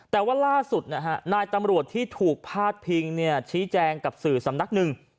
แต่ว่าล่าสุดนะฮะนายตำรวจที่ถูกพาดพิงชี้แจงกับสื่อสำนักหนึ่ง